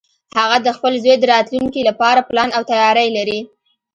هغه د خپل زوی د راتلونکې لپاره پلان او تیاری لري